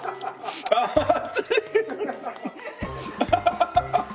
ハハハハハ！